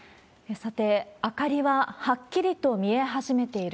さて、明かりははっきりと見え始めている。